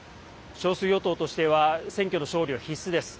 少数与党としては選挙の勝利は必須です。